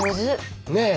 ねえ。